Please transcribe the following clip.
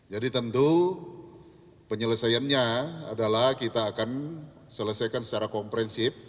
jadi tentu penyelesaiannya adalah kita akan selesaikan secara komprensif